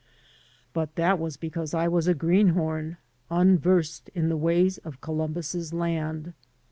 But that was because I was a greenhorn, unversed in the ways of Columbus's land.